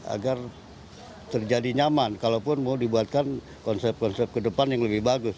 agar terjadi nyaman kalaupun mau dibuatkan konsep konsep ke depan yang lebih bagus